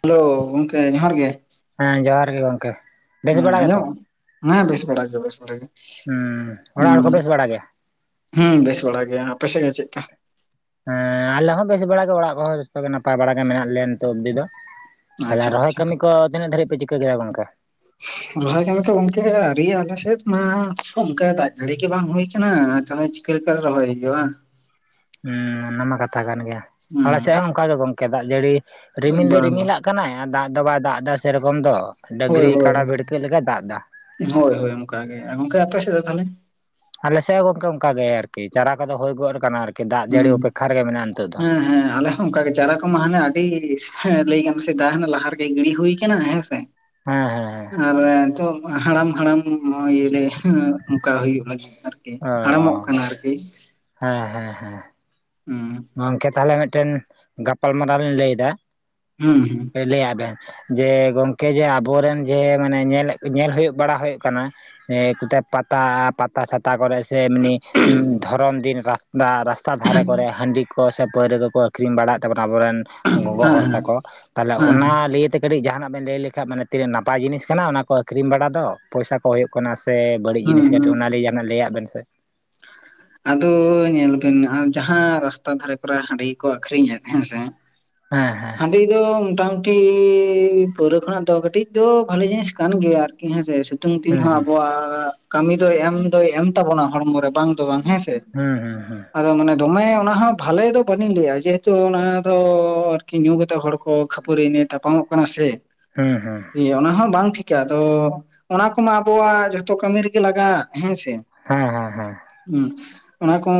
Hello ᱜᱚᱝᱠᱮ ᱡᱚᱦᱟᱨ ᱜᱮ᱾ ᱦᱮᱸ ᱡᱚᱦᱟᱨ ᱜᱮ ᱜᱚᱝᱠᱮ᱾ ᱵᱮᱥ ᱦᱩᱸ ᱵᱟᱲᱟ ᱜᱮᱛᱚ ᱟᱧᱡᱚᱢᱟᱢ᱾ ᱦᱮᱸ ᱵᱮᱥ ᱵᱟᱲᱟ ᱜᱮ ᱵᱮᱥ ᱵᱟᱲᱟ ᱜᱮ ᱦᱩᱸ ᱚᱲᱟᱜ ᱦᱚᱲ ᱠᱚ ᱦᱩᱸ᱾ ᱵᱮᱥ ᱵᱟᱲᱟ ᱜᱮᱭᱟ ᱦᱮᱸ ᱵᱮᱥ ᱵᱟᱲᱟ ᱜᱮ ᱟᱯᱮᱥᱮᱜ ᱜᱮ ᱪᱮᱫ ᱞᱮᱠᱟ? ᱦᱮᱸ ᱟᱞᱮ ᱦᱚᱸ ᱵᱮᱥ ᱵᱟᱲᱟᱜ ᱜᱮ ᱚᱲᱟᱜ ᱠᱚᱦᱚᱸ ᱡᱚᱛᱚ ᱜᱮ ᱱᱟᱯᱟᱭ ᱵᱟᱲᱟᱜ ᱜᱮ ᱢᱮᱱᱟᱜ ᱞᱮᱭᱟ ᱱᱤᱛᱚᱜ ᱚᱵᱽᱵᱫᱤ ᱫᱚᱼᱼ ᱟᱪᱪᱷᱟ ᱨᱚᱦᱚᱭ ᱟᱪᱪᱷᱟ ᱠᱟᱹᱢᱤ ᱠᱚ ᱛᱤᱱᱟᱹᱜ ᱫᱟᱹᱨᱤᱡ ᱯᱮ ᱪᱤᱠᱟᱹ ᱠᱮᱫᱟ ᱜᱚᱝᱠᱮ? ᱨᱚᱦᱚᱭ ᱠᱟᱢᱤ ᱛᱚ ᱚᱱᱠᱟ ᱟᱹᱨᱤ ᱟᱞᱮᱥᱮᱫ ᱢᱟ ᱚᱱᱠᱟ ᱫᱟᱜ ᱫᱟᱲᱤ ᱜᱮ ᱵᱟᱝ ᱦᱩᱭ ᱠᱟᱱᱟ ᱛᱟᱦᱚᱞᱮᱼᱼ ᱠᱮᱨᱤᱠᱟᱴ ᱨᱮ ᱟᱞᱚᱭ ᱦᱤᱡᱩᱜ ᱵᱟᱝ? ᱦᱮᱸ ᱚᱱᱟᱢᱟ ᱠᱟᱛᱷᱟ ᱠᱟᱱ ᱜᱮᱭᱟ ᱟᱞᱮ ᱦᱩᱸ ᱥᱮᱫ ᱦᱚᱸ ᱚᱱᱠᱟ ᱜᱮ ᱜᱚᱝᱠᱮ ᱫᱟᱜ ᱡᱟᱹᱲᱤᱼᱼ ᱨᱤᱢᱤᱞ ᱫᱚ ᱵᱟᱝ ᱵᱟᱝ ᱨᱤᱢᱤᱼᱞᱟᱜ ᱠᱟᱱᱟᱭ ᱟᱨ ᱫᱟᱜ ᱫᱚ ᱵᱟᱭ ᱫᱟᱜ ᱮᱫᱟ ᱥᱮᱨᱚᱠᱚᱢ ᱫᱚ ᱦᱳᱭ ᱰᱟᱹᱝᱨᱤ ᱦᱳᱭ ᱠᱟᱰᱟ ᱵᱷᱤᱲᱠᱟᱹᱜ ᱞᱮᱠᱟᱭ ᱫᱟᱜ ᱮᱫᱟ᱾ ᱦᱳᱭ ᱦᱳᱭ ᱚᱱᱠᱟ ᱜᱮ ᱜᱚᱢᱠᱮ ᱟᱯᱮ ᱥᱮᱫ ᱫᱚ ᱛᱟᱦᱚᱞᱮᱼᱼ ᱟᱞᱮᱥᱮᱫ ᱦᱚᱸ ᱜᱚᱝᱠᱮ ᱚᱱᱠ ᱜᱮ ᱟᱨᱠᱤ ᱪᱟᱨᱟ ᱟᱞᱮ ᱥᱮᱠ ᱦᱚ ᱜᱚᱢᱠᱮ ᱚᱱᱠᱟ ᱜᱮ ᱪᱟᱨᱟ ᱠᱚᱫᱚ ᱦᱩᱭ ᱜᱚᱫ ᱟᱠᱟᱱᱟ ᱟᱨᱠᱤ ᱫᱟᱜ ᱡᱟᱹᱲᱤ ᱚᱯᱮᱠᱷᱟ ᱨᱮᱜᱮ ᱢᱮᱱᱟᱜᱼᱟ ᱱᱤᱛᱚᱜ ᱫᱚ᱾ ᱚᱱᱠᱟᱟ ᱜᱮ ᱪᱟᱨᱟ ᱠᱚᱢᱟ ᱦᱟᱱᱮ ᱟᱹᱰᱤ ᱞᱟᱹᱭ ᱜᱟᱢ ᱥᱮᱫᱟᱭ ᱞᱟᱦᱟ ᱨᱮᱜᱮ ᱜᱤᱲᱤ ᱦᱩᱭ ᱠᱟᱱᱟ ᱦᱮᱸᱥᱮ᱾ ᱦᱮᱸ ᱦᱮᱸ ᱦᱮᱸ᱾ ᱟᱨ ᱱᱤᱛᱚᱜ ᱦᱟᱲᱟᱢ ᱦᱟᱲᱟᱢ ᱤᱭᱟᱹᱟᱹᱨᱮ ᱚᱱᱠᱟ ᱦᱩᱭᱩᱜᱼᱟ ᱪᱤᱫ ᱟᱨᱠᱤᱼᱼ ᱚ ᱦᱟᱲᱟᱼᱢᱚᱜ ᱠᱟᱱᱟ ᱟᱨᱠᱤ? ᱦᱮᱸ ᱦᱮᱸ ᱦᱮᱸ᱾ ᱦᱩᱸ᱾ ᱜᱚᱢᱠᱮ ᱛᱟᱦᱚᱞᱮ ᱢᱤᱫᱴᱮᱱ ᱜᱟᱯᱟᱞ ᱢᱟᱨᱟᱣ ᱞᱤᱧ ᱞᱟᱹᱭ ᱮᱫᱟᱼᱼ ᱦᱩᱸ ᱦᱩᱸ᱾ ᱞᱟᱹᱭᱟᱫ ᱵᱮᱱ ᱡᱮ ᱜᱚᱢᱠᱮ ᱡᱮ ᱟᱵᱚᱨᱮᱱ ᱡᱮ ᱢᱟᱱᱮ ᱧᱮᱞ ᱧᱮᱞ ᱦᱩᱭᱩᱜ ᱵᱟᱲᱟ ᱦᱩᱭᱩᱜ ᱠᱟᱱᱟᱼᱼ ᱮ ᱠᱳᱛᱷᱟᱭ ᱯᱟᱛᱟ ᱯᱟᱛᱟ ᱪᱷᱟᱛᱟ ᱠᱚᱨᱮᱼᱼ ᱥᱮ ᱢᱟᱱᱤ ᱫᱷᱚᱨᱚᱢ ᱫᱤᱱ ᱨᱟᱥᱛᱟ ᱨᱟᱥᱛᱟ ᱫᱷᱟᱨᱮ ᱠᱚᱨᱮ ᱦᱟᱺᱰᱤᱼᱼ ᱥᱮ ᱯᱟᱹᱭᱨᱟᱹ ᱠᱚᱠᱚ ᱟᱹᱠᱷᱨᱤᱧ ᱵᱟᱲᱟᱭᱮᱫ ᱛᱟᱵᱚᱱᱟ ᱟᱵᱚᱨᱮᱱ ᱜᱚᱜᱚ ᱦᱚᱲ ᱦᱮᱸ ᱛᱟᱠᱚ ᱛᱟᱦᱚᱞᱮ ᱦᱮᱸ ᱚᱱᱟ ᱞᱤᱭᱮ ᱛᱮᱼᱼ ᱠᱟᱹᱴᱤᱡ ᱡᱟᱦᱟᱱᱟᱜ ᱵᱮᱱ ᱞᱟᱹᱭ ᱞᱮᱠᱷᱟᱱᱡ ᱢᱟᱱᱮ ᱛᱤᱱᱟᱹᱜ ᱱᱟᱯᱟᱭ ᱡᱤᱱᱤᱥ ᱠᱟᱱᱟ ᱚᱱᱟᱠᱚ ᱟᱹᱠᱷᱨᱤᱧ ᱵᱟᱲᱟ ᱫᱚ ᱯᱚᱭᱥᱟ ᱠᱚ ᱦᱩᱭᱩᱜ ᱠᱟᱱᱟ ᱥᱮ ᱵᱟᱹᱲᱤᱡ ᱦᱩᱸ ᱡᱤᱱᱤᱥ ᱠᱟᱹᱴᱤᱡ ᱦᱩᱸ ᱚᱱᱟᱱᱟᱜ ᱡᱟᱦᱟᱱᱟᱜ ᱞᱟᱹᱭᱟᱜ ᱵᱮᱱ ᱥᱮ᱾ [unintelligible] ᱟᱫᱚ ᱧᱮᱞ ᱵᱮᱱ ᱟᱨ ᱡᱟᱦᱟᱸ ᱨᱟᱥᱛᱟ ᱫᱷᱟᱨᱮ ᱠᱚᱨᱮ ᱦᱟᱺᱰᱤ ᱠᱚ ᱟᱠᱷᱨᱤᱧᱮᱫ ᱦᱮᱸᱥᱮ ᱦᱮᱸ ᱦᱮᱸ᱾ ᱦᱟᱺᱰᱤ ᱫᱚ ᱢᱚᱴᱟᱢᱩᱴᱤ ᱯᱟᱹᱣᱨᱟᱹ ᱠᱷᱚᱱᱟᱜ ᱫᱚ ᱠᱟᱹᱴᱤᱡ ᱫᱚ ᱵᱟᱹᱞᱮ ᱡᱤᱱᱤᱥ ᱠᱟᱱ ᱜᱮᱭᱟ ᱟᱨᱠᱤ ᱦᱮᱸᱥᱮ ᱥᱤᱛᱩᱝ ᱫᱤᱱ ᱦᱩᱸ ᱦᱚᱸ ᱦᱩᱸ ᱟᱵᱚᱣᱟᱜ ᱠᱟᱹᱢᱤ ᱫᱚᱭ ᱮᱢ ᱫᱚᱭ ᱮᱢ ᱛᱟᱵᱚᱱᱟ ᱦᱚᱲᱢᱚ ᱨᱮ᱾ ᱵᱟᱝ ᱫᱚ ᱵᱟᱝ ᱦᱮᱸ ᱥᱮ᱾ ᱦᱩᱸ ᱦᱩᱸ ᱦᱩᱸ᱾ ᱟᱫᱚ ᱢᱟᱱᱮ ᱫᱚᱢᱮ ᱚᱱᱟ ᱦᱚᱸ ᱵᱷᱟᱞᱮ ᱫᱚ ᱵᱟᱹᱞᱤᱧ ᱞᱟᱹᱭᱟ ᱡᱮᱦᱮᱛᱩ ᱚᱱᱟ ᱫᱚ ᱟᱨᱠᱤ ᱧᱩ ᱠᱟᱛᱮᱫ ᱦᱚᱲ ᱠᱚ ᱠᱷᱟᱹᱯᱟᱹᱨᱤ ᱱᱮ ᱛᱟᱯᱟᱢᱚᱜ ᱠᱟᱱᱟ ᱥᱮ᱾ ᱦᱩᱸ ᱦᱮᱸ᱾ ᱮᱸ ᱚᱱᱟ ᱦᱚᱸ ᱵᱟᱝ ᱴᱷᱤᱠᱟ ᱛᱚ ᱚᱱᱟ ᱠᱚᱢᱟ ᱟᱵᱚᱣᱟᱜ ᱡᱷᱚᱛᱚ ᱠᱟᱹᱢᱤ ᱨᱮᱜᱮ ᱞᱟᱜᱟᱜ ᱦᱮᱸ ᱥᱮ᱾ ᱦᱮᱸ ᱦᱮᱸ ᱦᱮᱸ᱾ ᱦᱩᱸ ᱚᱱᱟ ᱠᱚ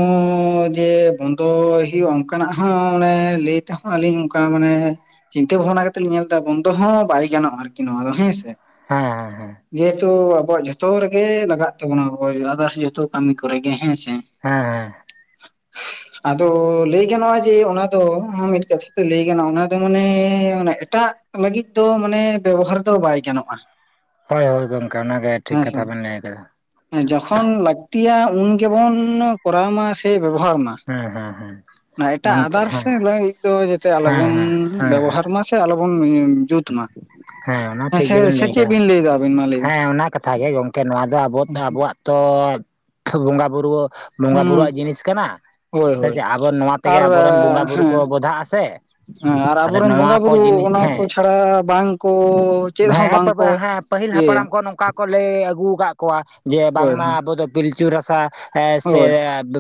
ᱡᱮ ᱵᱚᱱᱫᱚ ᱦᱩᱭᱩᱜᱼᱟ ᱚᱱᱠᱟᱱᱟᱜ ᱦᱚᱸ ᱚᱱᱮ ᱞᱟᱹᱭ ᱪᱤᱱᱛᱟ ᱵᱷᱟᱵᱱᱟ ᱠᱟᱛᱮᱫ ᱞᱤᱧ ᱧᱮᱞ ᱮᱫᱟ ᱵᱚᱱᱫᱚ ᱦᱚᱸ ᱵᱟᱭ ᱜᱟᱱᱚᱜᱼᱟ ᱟᱨᱠᱤ ᱱᱚᱣᱟ ᱫᱚ ᱦᱮᱸ ᱥᱮ᱾ ᱦᱮᱸ ᱦᱮᱸ ᱡᱮᱦᱮᱛᱩ ᱟᱵᱚᱣᱟᱜ ᱡᱷᱚᱛᱚ ᱨᱮᱜᱮ ᱞᱟᱜᱟᱜ ᱛᱟᱵᱚᱱᱟ ᱥᱮ ᱡᱚᱛᱚ ᱠᱟᱹᱢᱤ ᱾ ᱠᱚᱨᱮ ᱜᱮ ᱦᱮᱸ ᱥᱮ᱾ ᱦᱮᱸ ᱦᱮᱸ᱾ [unintelligible] ᱟᱫᱚ ᱞᱟᱹᱭ ᱜᱟᱱᱚᱜᱼᱟ ᱡᱮ ᱚᱱᱟ ᱫᱚ ᱢᱤᱫ ᱠᱟᱛᱷᱟ ᱛᱮ ᱞᱟᱹᱭ ᱜᱟᱱᱚᱜᱼᱟ ᱚᱱᱟ ᱫᱚ ᱢᱟᱱᱮ ᱮᱴᱟᱜ ᱞᱟᱹᱜᱤᱫ ᱫᱚ ᱢᱟᱱᱮ ᱵᱮᱵᱚᱦᱟᱨ ᱫᱚ ᱵᱟᱭ ᱜᱟᱱᱚᱜᱼᱟ᱾ ᱦᱳᱭ ᱦᱳᱭ ᱜᱚᱝᱠᱮ ᱚᱱᱟ ᱜᱮ ᱴᱷᱤᱠ ᱦᱮᱸ ᱥᱮ ᱠᱟᱛᱷᱟ ᱵᱮᱱ ᱞᱟᱹᱭ ᱠᱟᱫᱟ᱾ ᱡᱚᱠᱷᱚᱱ ᱞᱟᱹᱠᱛᱤᱭᱟ ᱩᱱ ᱜᱮᱵᱚᱱ ᱠᱚᱨᱟᱣ ᱢᱟ ᱥᱮ ᱵᱮᱵᱚᱦᱟᱨ ᱢᱟ᱾ ᱦᱮᱸ ᱦᱮᱸ ᱦᱮᱸ ᱮᱴᱟᱜ ᱜᱚᱝᱠᱮ ᱟᱫᱟᱨ ᱦᱮᱸ ᱦᱟᱤᱫᱨᱟᱵᱟ ᱞᱟᱜᱤᱛ ᱫᱚ ᱡᱟᱛᱮ ᱦᱮᱸ ᱟᱞᱚᱵᱚᱱ ᱦᱮᱸ ᱦᱮᱸ ᱦᱮᱸ ᱵᱮᱵᱚᱦᱟᱨ ᱢᱟ ᱥᱮ ᱛᱮ ᱟᱞᱚᱵᱚᱱ ᱡᱩᱛ ᱢᱟ ᱚᱱᱟ ᱦᱮᱸ ᱴᱷᱤᱠ ᱜᱮᱵᱮᱱ ᱥᱮᱪᱮᱫ ᱠᱟᱫᱟ ᱵᱤᱱ ᱞᱟᱹᱭ ᱫᱟᱵᱤᱱ? ᱦᱮᱸ ᱚᱱᱟ ᱠᱟᱛᱷᱟ ᱜᱮ ᱜᱚᱝᱠᱮ ᱱᱚᱣᱟ ᱫᱚ ᱟᱵᱚ ᱟᱵᱚᱣᱟᱜ ᱛᱚ ᱵᱚᱸᱜᱟ ᱵᱩᱨᱩ ᱵᱚᱸᱜᱟ ᱦᱩᱸ ᱵᱩᱨᱩᱣᱟᱜ ᱡᱤᱱᱤᱥ ᱠᱟᱱᱟ ᱦᱳᱭ ᱦᱮᱸ ᱦᱳᱭ ᱪᱮ ᱟᱵᱚ ᱱᱚᱣᱟ ᱛᱮᱜᱮ ᱟᱨ ᱟᱵᱚᱨᱮᱱ ᱵᱚᱸᱜᱟ ᱵᱩᱨᱩ ᱦᱮᱸ ᱠᱚ ᱵᱚᱫᱷᱟᱜ ᱟᱥᱮ᱾ ᱦᱮᱸ ᱟᱨ ᱟᱵᱚᱨᱮᱱ ᱵᱚᱸᱜᱟ ᱵᱩᱨᱩ ᱚᱱᱟ ᱠᱚ ᱪᱷᱟᱲᱟ ᱵᱟᱝᱠᱚ ᱪᱮᱫ ᱦᱚᱸ ᱦᱮᱸ ᱵᱟᱝ ᱠᱚ [unintelligible] ᱤᱭᱟᱹᱭᱟ ᱦᱟᱯᱲᱟᱢ ᱠᱚ ᱱᱚᱝᱠᱟ ᱠᱚ ᱞᱟᱹᱭ ᱟᱹᱜᱩ ᱠᱟᱜ ᱠᱚᱣᱟ ᱡᱮ ᱦᱳᱭ ᱦᱳᱭ ᱵᱟᱝᱢᱟ ᱟᱵᱚ ᱫᱚ ᱯᱤᱞᱪᱩ ᱨᱟᱥᱟ ᱥᱮ ᱦᱳᱭ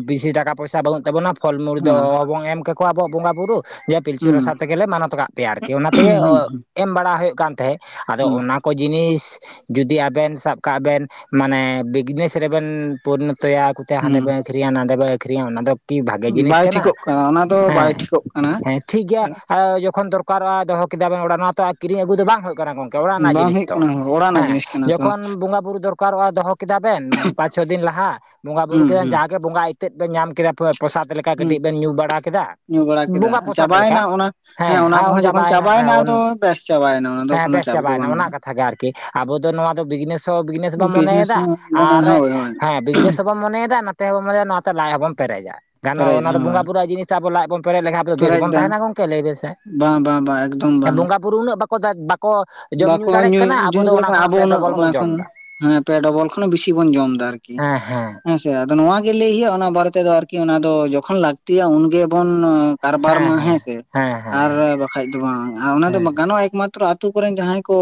ᱵᱤᱥᱤ ᱴᱟᱠᱟ ᱯᱚᱭᱥᱟ ᱵᱟᱹᱱᱩᱜ ᱛᱟᱵᱚᱱᱟ ᱯᱷᱚᱞ ᱢᱩᱲ ᱦᱮᱸ ᱫᱚᱵᱚᱱ ᱮᱢ ᱠᱮᱠᱚᱣᱟ ᱟᱵᱚᱣᱟᱜ ᱵᱚᱸᱜᱟ ᱵᱩᱨᱩ᱾ ᱡᱮ ᱯᱤᱞᱪᱩ ᱦᱩᱸ ᱨᱟᱥᱟ ᱛᱮᱜᱮᱞᱮ ᱢᱟᱱᱚᱛ ᱠᱟᱜ ᱯᱮᱭᱟ ᱟᱨᱠᱤ ᱚᱱᱟ ᱛᱮᱜᱮ ᱦᱩᱸ ᱮᱢ ᱵᱟᱲᱟ ᱦᱩᱭᱩᱜ ᱠᱟᱱ ᱛᱟᱦᱮᱸᱫ ᱟᱫᱚ ᱦᱩᱸ ᱚᱱᱟ ᱠᱚ ᱡᱤᱱᱤᱥ ᱡᱩᱫᱤ ᱟᱵᱮᱱ ᱥᱟᱵ ᱠᱟᱜ ᱵᱮᱱ ᱢᱟᱱᱮ ᱵᱤᱡᱽᱱᱮᱥ ᱨᱮᱵᱮᱱ ᱯᱚᱨᱱᱚᱛᱚᱭᱟ᱾ ᱛᱮ ᱦᱟᱸᱰᱮ ᱦᱩᱸ ᱵᱮᱱ ᱱᱟᱸᱰᱮ ᱵᱮᱱ ᱟᱹᱠᱷᱨᱤᱧᱟ ᱚᱱᱟ ᱫᱚ ᱴᱤ ᱵᱷᱟᱜᱮ ᱡᱤᱱᱤᱥ ᱵᱟᱭ ᱠᱟᱱᱟ, ᱴᱷᱤᱠᱚᱜ ᱚᱱᱟ ᱫᱚ ᱵᱟᱭ ᱦᱮᱸ ᱴᱷᱤᱠᱚᱜ ᱠᱟᱱᱟ ᱦᱮᱸ ᱴᱷᱤᱠ ᱜᱮᱭᱟ ᱟ ᱡᱚᱠᱷᱚᱱ ᱫᱚᱨᱠ ᱚᱠᱟᱨᱚᱜ ᱫᱚᱦᱚ ᱠᱮᱫᱟ ᱵᱮᱱ ᱚᱲᱟᱜ ᱱᱚᱣᱟ ᱛᱚ ᱠᱤᱨᱤᱧ ᱟᱹᱜᱩ ᱫᱚ ᱵᱟᱝ ᱦᱩᱭᱩᱜ ᱠᱟᱱᱟ ᱜᱚᱝᱠᱮ ᱚᱲᱟᱜ ᱨᱮᱱᱟᱜ ᱵᱟᱝ ᱡᱤᱱᱤᱥ ᱦᱩᱭᱩᱜ ᱛᱚ᱾ ᱠᱟᱱᱟ ᱚᱲᱟᱜ ᱨᱮᱱᱟᱜ ᱦᱮᱸ ᱡᱤᱱᱤᱥ ᱠᱟᱱᱟ ᱛᱚ ᱡᱚᱠᱷᱚᱱ ᱵᱚᱸᱜᱟ ᱵᱩᱨᱩ ᱫᱚᱨᱠᱟᱨᱚᱜᱼᱟ ᱫᱚᱦᱚ ᱠᱮᱫᱟ ᱵᱮᱱ ᱯᱟᱸᱪ ᱪᱷᱚ ᱫᱤᱱ ᱞᱟᱦᱟ᱾ ᱵᱚᱸᱜᱟ ᱵᱩᱨᱩ ᱦᱩᱸ ᱠᱮᱫᱟ ᱦᱩᱸ ᱡᱟᱜᱮ ᱵᱚᱸᱜᱟ ᱟᱹᱤᱛᱟᱹᱟᱹᱜ ᱵᱮᱱ ᱧᱟᱢ ᱠᱮᱫᱟ ᱯᱨᱚᱥᱟᱫ ᱞᱮᱠᱟ ᱦᱩᱸ ᱠᱟᱹᱴᱤᱡ ᱵᱮᱱ ᱧᱩ ᱵᱟᱲᱟ ᱠᱮᱫᱟ᱾ ᱧᱩ ᱵᱟᱲᱟ ᱠᱮᱫᱟ ᱵᱚᱸᱜᱟ ᱯᱨᱚᱥᱟᱫ ᱞᱮᱠᱟ ᱪᱟᱵᱟᱭᱮᱱᱟ ᱚᱱᱟ ᱦᱮᱸ ᱚᱱᱟ ᱟᱭᱳ ᱠᱚᱦᱚᱸ ᱡᱚᱠᱷᱚᱱ ᱪᱟᱵᱟᱭᱱᱟ ᱪᱟᱵᱟᱭᱮᱱᱟ ᱟᱫᱚ ᱵᱮᱥ ᱪᱟᱵᱟᱭᱮᱱᱟ ᱚᱱᱟ ᱫᱚ ᱦᱮᱸ ᱠᱳᱱᱳ ᱵᱮᱥ ᱪᱟᱯ ᱫᱚ ᱪᱟᱵᱟᱭᱱᱟ ᱚᱱᱟ ᱵᱟᱹᱱᱩᱜᱼᱟ ᱠᱟᱛᱷᱟ ᱜᱮ ᱟᱨᱠᱤ ᱟᱵᱚ ᱫᱚ ᱱᱚᱣᱟ ᱫᱚ ᱦᱚᱸ ᱵᱽᱱᱮᱥ ᱵᱚ ᱵᱤᱡᱽᱱᱮᱥ ᱢᱚᱱᱮᱭᱫᱟ ᱦᱚᱸ ᱢᱟᱱᱮ ᱟᱨ ᱦᱳᱭ ᱦᱳᱭ ᱦᱮᱸ ᱦᱚᱸ ᱠᱚ ᱢᱚᱱᱮᱭ ᱱᱚᱛᱮ ᱦᱚᱸᱵᱚᱱ ᱢᱚᱱᱮᱭᱟᱛᱮ ᱞᱟᱡ ᱦᱚᱸᱵᱚᱱ ᱯᱮᱨᱮᱡᱟ ᱜᱟᱱᱚ ᱯᱮᱨᱮᱡ ᱚᱱᱟ ᱫᱚ ᱦᱳᱭ ᱵᱚᱸᱜᱟ ᱵᱩᱨᱩ ᱡᱤᱱᱤᱥ ᱟᱵᱚ ᱞᱟᱡᱚᱱ ᱯᱨᱮᱡ ᱞᱮᱠᱷᱟᱡ ᱵᱮᱥ ᱯᱮᱨᱮᱡ ᱵᱚᱱ ᱫᱟ ᱛᱟᱦᱮᱱᱟ ᱜᱚᱝᱠᱮ ᱞᱟᱹᱭ ᱵᱮᱥᱮ? ᱵᱟᱝ ᱵᱟᱝ ᱵᱟᱝ ᱮᱠᱫᱚᱢ ᱵᱟᱝ ᱵᱚᱸᱜᱟ ᱵᱩᱨᱩ ᱩᱱᱟᱹᱜ ᱵᱟᱠᱚ ᱡᱚᱢ ᱧᱩ ᱵᱟᱠᱚ ᱫᱟᱲᱮᱭᱟᱜ ᱠᱟᱱᱟ ᱟᱵᱚ ᱫᱚ [unintelligible] ᱚᱱᱟ ᱠᱷᱚᱱᱟᱜ ᱟᱵᱚ ᱯᱮ ᱩᱱᱟ ᱰᱚᱵᱚᱞ ᱵᱚᱱ ᱚᱱᱟ ᱡᱚᱢ ᱮᱫᱟ ᱠᱷᱚᱱ, ᱦᱮᱸ ᱯᱮ ᱰᱚᱵᱚᱞ ᱠᱷᱚᱱ ᱵᱤᱥᱤ ᱵᱚᱱ ᱡᱚᱢ ᱫᱟ᱾ ᱟᱨᱠᱤ ᱦᱮᱸ ᱦᱮᱸ ᱦᱮᱸᱥᱮ᱾ ᱟᱫᱚ ᱱᱚᱣᱟ ᱜᱮ ᱞᱟᱹᱭ ᱦᱳᱭᱳᱜᱼᱟ, ᱚᱱᱟ ᱵᱟᱨᱮ ᱛᱮᱫᱚ ᱟᱨᱠᱤ ᱚᱱᱟ ᱫᱚ, ᱡᱚᱠᱷᱚᱱ ᱞᱟᱹᱠᱛᱜᱤᱭᱟ ᱩᱱᱜᱮᱵᱚᱱ ᱠᱟᱨᱵᱟᱨ ᱢᱟ ᱦᱮᱸ ᱥᱮ, ᱟᱨ ᱵᱟᱠᱷᱟᱡ ᱫᱚ ᱵᱟᱝ, ᱚᱱᱟ ᱫᱚ ᱦᱮᱸ ᱜᱟᱱᱚᱜᱼᱟ, ᱮᱠᱢᱟᱛᱨᱚ ᱟᱛᱩ ᱠᱚᱨᱮᱱ ᱡᱟᱦᱟᱸᱭ ᱠᱚ,